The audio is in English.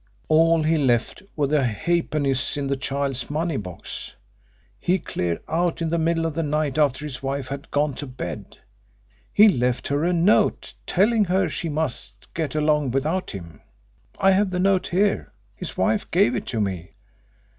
All he left were the half pennies in the child's money box. He cleared out in the middle of the night after his wife had gone to bed. He left her a note telling her she must get along without him. I have the note here his wife gave it to me."